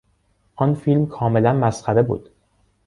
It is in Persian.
آن فیلم کاملا مسخره بود.